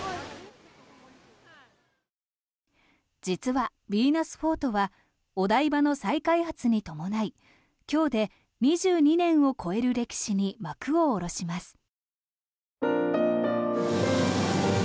実はヴィーナスフォートはお台場の再開発に伴い今日で２２年を超える歴史に幕を下ろします。